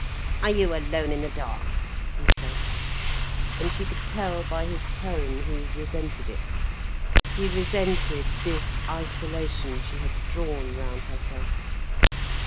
"Are you alone in the dark?" he said. And she could tell by his tone he resented it, he resented this isolation she had drawn round herself.